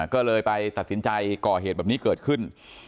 ก็เลยไปตัดสินใจก่อเหตุแบบนี้เกิดขึ้น